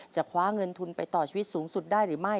คว้าเงินทุนไปต่อชีวิตสูงสุดได้หรือไม่